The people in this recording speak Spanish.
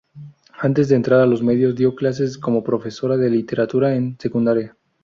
Antes de entrar a los medios, dio clases como profesora de literatura en secundaria.